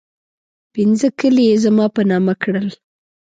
پنځه کلي یې زما په نامه کړل.